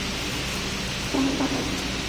据说他们教给了人类加工铜和铁的方法。